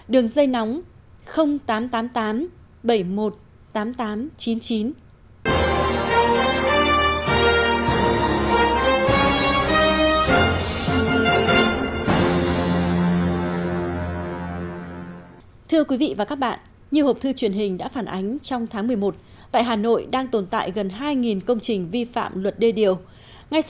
đường dây nóng tám trăm tám mươi tám bảy trăm một mươi tám nghìn tám trăm chín mươi chín